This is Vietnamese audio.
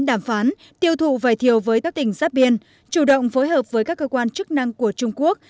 đàm phán tiêu thụ vải thiều với các tỉnh giáp biên chủ động phối hợp với các cơ quan chức năng của trung quốc